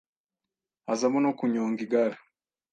Hazamo no kunyonga igare,